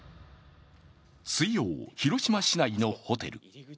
水曜、広島市内のホテル。